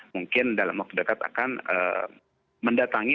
mungkin dalam waktu dekat akan mendatangi